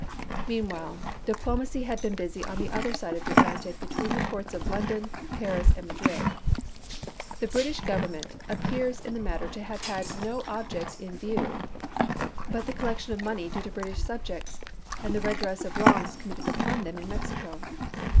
Mean while, diplomacy had been busy on the other side of the Atlantic between the courts of London, Paris, and Madrid. The British Government ap pears in the matter to have had no object in view MEXICO 33 but the collection of money due to British subjects chap. ii. and the redress of wrongs committed upon them in Mexico.